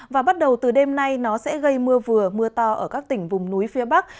và bắt đầu từ đêm nay nó sẽ gây mưa vừa mưa to ở các tỉnh vùng núi phía bắc